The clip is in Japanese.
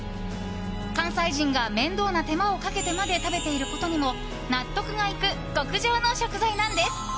関西人が面倒な手間をかけてまで食べてることにも納得がいく極上の食材なんです。